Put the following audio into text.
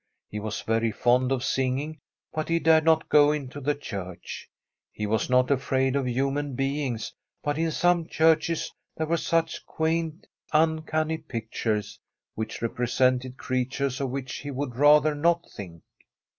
He was very fond of sing ing, but he dared not go into the church. He s SWEDISH HOMESTEAD was not afraid of human beings, bat in some diarches there were such quaint, uncanny pict* ores, which represented cre a t ur es of which he would rather not think.